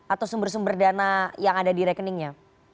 atau sumber sumber dana yang ada di rekeningnya